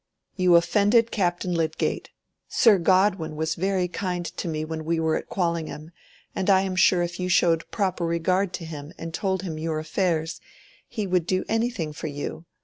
You offended Captain Lydgate. Sir Godwin was very kind to me when we were at Quallingham, and I am sure if you showed proper regard to him and told him your affairs, he would do anything for you.